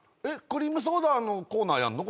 クリームソーダのコーナーやるの？